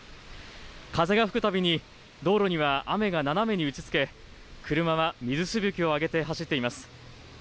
風が吹くたびに道路には雨が斜めに打ちつけ車は水しぶきを上げて走っています。